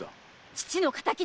父の敵だ！